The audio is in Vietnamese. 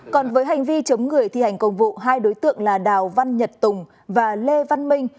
còn với hành vi chống người thi hành công vụ hai đối tượng là đào văn nhật tùng và lê văn minh